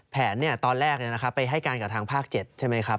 แผนตอนแรกไปให้การกับทางภาค๗ใช่ไหมครับ